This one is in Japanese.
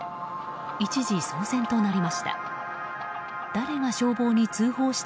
一時、騒然となりました。